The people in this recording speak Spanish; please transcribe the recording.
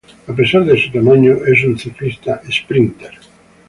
A pesar de su tamaño, es un ciclista esprínter.